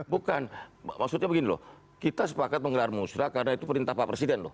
bukan maksudnya begini loh kita sepakat menggelar musrah karena itu perintah pak presiden loh